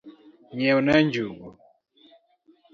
Nyiewna njungu.